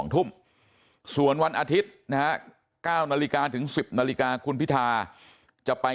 ทุ่มส่วนวันอาทิตย์นะฮะ๙นาฬิกาถึง๑๐นาฬิกาคุณพิธาจะไป